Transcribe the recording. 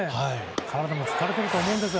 体も疲れてると思うんですよ。